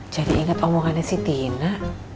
jadi inget omongannya si tina